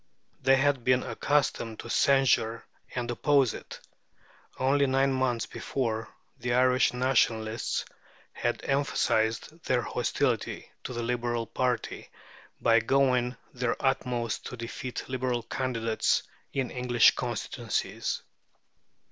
They had been accustomed to censure and oppose it. Only nine months before, the Irish Nationalists had emphasized their hostility to the Liberal party by doing their utmost to defeat Liberal candidates in English constituencies.